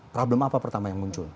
problem apa pertama yang muncul